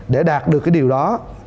để đạt được cái điều đó